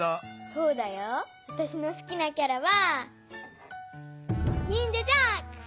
そうだよ。わたしのすきなキャラはニンジャ・ジャック！